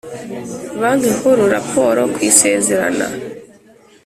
Banki Nkuru raporo ku isezerana